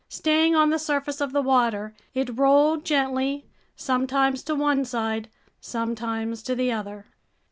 Staying on the surface of the water, it rolled gently, sometimes to one side, sometimes to the other.